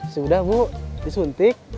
sudah bu disuntik